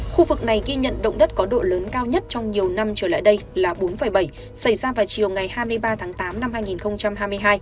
khu vực này ghi nhận động đất có độ lớn cao nhất trong nhiều năm trở lại đây là bốn bảy xảy ra vào chiều ngày hai mươi ba tháng tám năm hai nghìn hai mươi hai